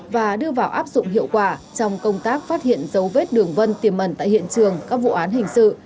và đưa vào áp dụng hiệu quả trong công tác phát hiện dấu vết đường vân tiềm ẩn tại hiện trường các vụ án hình sự